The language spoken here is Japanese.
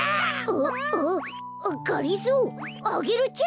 あっあっあっがりぞーアゲルちゃん！